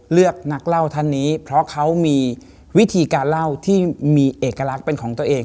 เลือกนักเล่าท่านนี้เพราะเขามีวิธีการเล่าที่มีเอกลักษณ์เป็นของตัวเอง